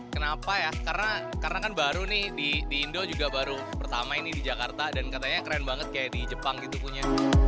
kenapa ya karena kan baru nih di indo juga baru pertama ini di jakarta dan katanya keren banget kayak di jepang gitu punya